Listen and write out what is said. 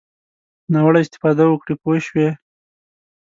ناوړه استفاده وکړي پوه شوې!.